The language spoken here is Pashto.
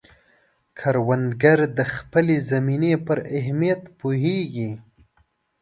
کروندګر د خپلې زمینې پر اهمیت پوهیږي